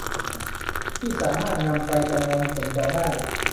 ที่สามารถนำไปประมวลผลต่อได้